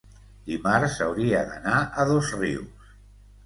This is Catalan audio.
dimarts hauria d'anar a Dosrius.